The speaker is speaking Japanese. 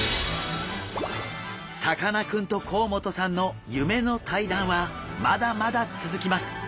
さかなクンと甲本さんの夢の対談はまだまだ続きます！